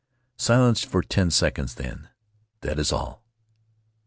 Silence for ten seconds. Then, "That is all."